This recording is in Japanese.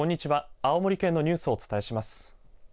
青森県のニュースをお伝えします。